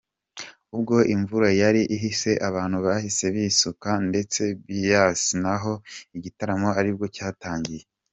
Ubwo imvura yari ihise abantu bahise bisuka ndetse bias naho igitaramo aribwo cyatangiye.